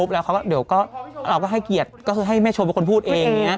เราก็ให้เกียรติก็คือให้เมโชมเป็นคนพูดเอง